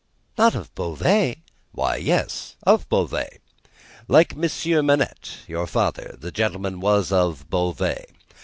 "Not of Beauvais?" "Why, yes, of Beauvais. Like Monsieur Manette, your father, the gentleman was of Beauvais.